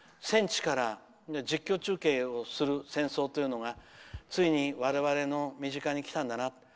戦地から実況中継をする戦争というのがついに我々の身近に来たんだな。